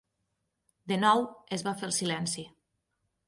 De nou es va fer el silenci;